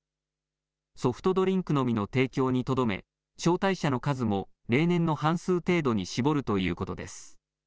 ソフトドリンクのみの提供にとどめ招待者の数も例年の半数程度に絞るということです。